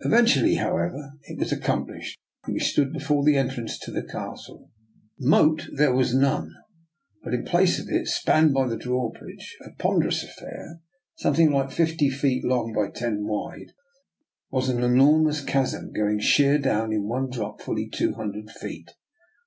Eventually, however, it was ac complished, and we stood before the entrance to the castle. Moat there was none, but in place of it, and spanned by the drawbridge — a ponderous affair, something like fifty feet long by ten wide — was an enormous chasm going sheer down in one drop fully two hun dred feet.